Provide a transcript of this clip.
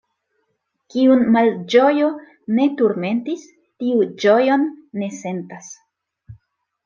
Kiun malĝojo ne turmentis, tiu ĝojon ne sentas.